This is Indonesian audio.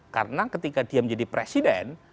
karena ketika dia menjadi presiden